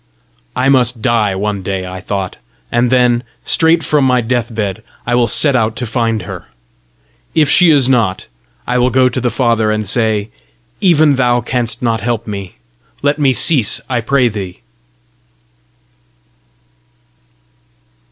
"I must die one day," I thought, "and then, straight from my death bed, I will set out to find her! If she is not, I will go to the Father and say 'Even thou canst not help me: let me cease, I pray thee!